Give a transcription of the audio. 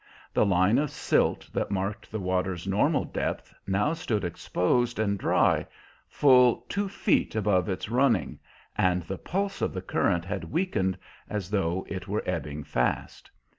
The line of silt that marked the water's normal depth now stood exposed and dry, full two feet above its running, and the pulse of the current had weakened as though it were ebbing fast.